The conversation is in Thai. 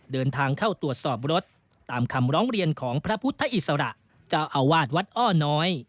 เดินทางเข้าตรวจสอบรถตามคำร้องเรียนของพระพุทธอิสระเจ้าอาวาสวัดอ้อน้อย